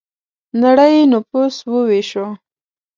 نړۍ نفوس وویشو.